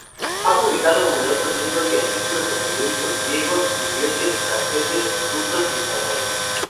Ha publicado numerosos libros y artículos en periódicos griegos, ingleses, franceses, rusos y españoles.